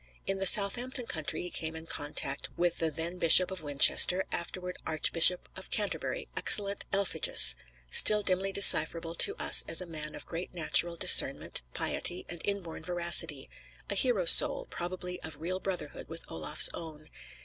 In the Southampton country he came in contact with the then Bishop of Winchester, afterward Archbishop of Canterbury, excellent Elphegus, still dimly decipherable to us as a man of great natural discernment, piety, and inborn veracity; a hero soul, probably of real brotherhood with Olaf's own.